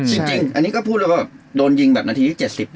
จริงอันนี้ก็พูดเรื่องว่าโดนยิงแบบนาที๗๐๘๐